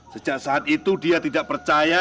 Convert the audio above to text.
sejak saat itu dia tidak percaya